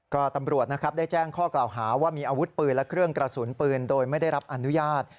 ก็ตำรวจนะครับได้แจ้งข้อกล่าวหาว่ามีอาวุธปืนและเครื่องกระสุนปืนโดยไม่ได้รับอนุญาต